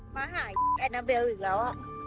มาหาแอนาเบลอีกแล้ว